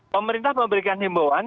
pemerintah memberikan himbauan